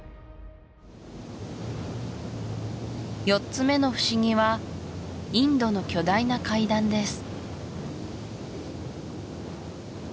４つ目の不思議はインドの巨大な階段です